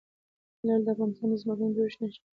لعل د افغانستان د ځمکې د جوړښت نښه ده.